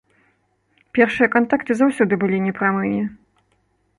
Першыя кантакты заўсёды былі непрамымі.